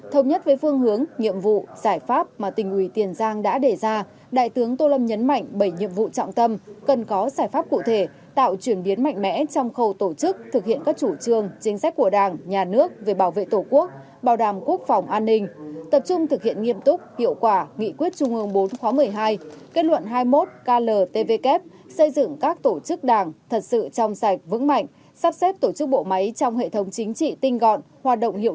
thông nhất với phương hướng nhiệm vụ giải pháp mà tỉnh ủy tiền giang đã đề ra đại tướng tô lâm nhấn mạnh bảy nhiệm vụ trọng tâm cần có giải pháp cụ thể tạo chuyển biến mạnh mẽ trong khâu tổ chức thực hiện các chủ trương chính sách của đảng nhà nước về bảo vệ tổ quốc bảo đảm quốc phòng an ninh tập trung thực hiện nghiêm túc hiệu quả nghị quyết trung ương iv khóa một mươi hai kết luận hai mươi một kltvk xây dựng các tổ chức đảng thật sự trong sạch vững mạnh sắp xếp tổ chức bộ máy trong hệ thống chính trị tinh gọn ho